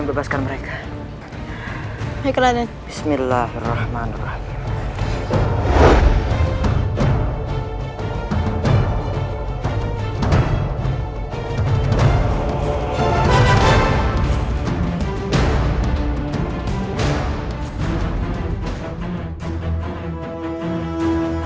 masuklah sekarang raden